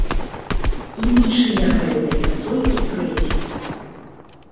І нічыя гэтая толькі трэцяя.